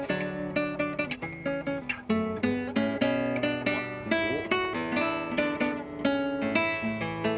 うわすごっ。